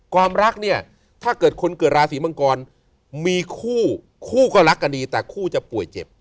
ความรักเนี่ยถ้าเกิดคนเกิดราศีมังกรมีคู่คู่ก็รักกันดีแต่คู่จะป่วยเจ็บ